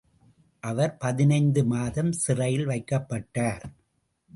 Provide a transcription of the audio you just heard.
அவர் பதினைந்து மாதம் சிறையில் வைக்கப்பட்டார்.